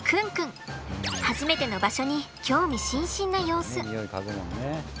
初めての場所に興味津々な様子。